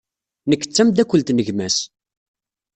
Nekk d tameddakelt n gma-s.